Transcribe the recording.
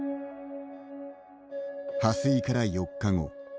破水から４日後。